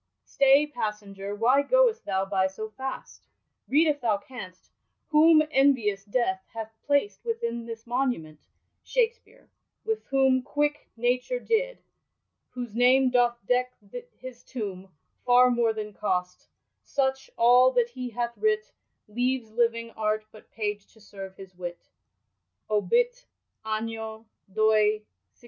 •I Stay, passenger, why goest thov by so fast? Read, jf thov canst, whom enviovs Death hath plast Within this monvment, Shakspearo, with whome Quick natvre dido ; whose name doth deck y« tombo Far more than cost ; sich* all y* he hath writt Leaves living art bvt page to serve his witt Obilt Ano Doi 1616, ^tatis 53, die 23 Apr.